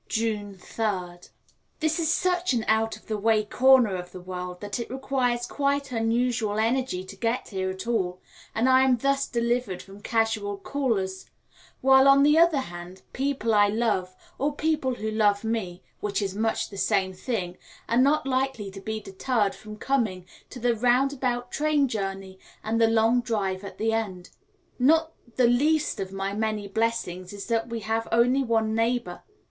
June 3rd. This is such an out of the way corner of the world that it requires quite unusual energy to get here at all, and I am thus delivered from casual callers; while, on the other hand, people I love, or people who love me, which is much the same thing, are not likely to be deterred from coming by the roundabout train journey and the long drive at the end. Not the least of my many blessings is that we have only one neighbour.